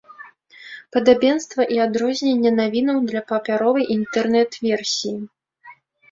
Падабенства і адрозненне навінаў для папяровай і інтэрнэт-версіі.